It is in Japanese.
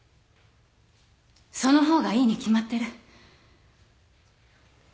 その方がいいに決まってる。